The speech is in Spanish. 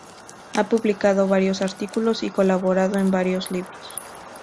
Ha publicado varios artículos y colaborado en varios libros.